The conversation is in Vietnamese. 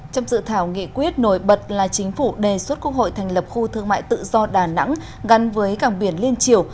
trong dự thảo nghị quyết nổi bật là chính phủ đề xuất quốc hội thành lập khu thương mại tự do đà nẵng gắn với cảng biển liên triều